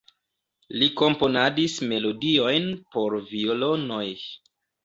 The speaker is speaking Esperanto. Li komponadis melodiojn por violonoj.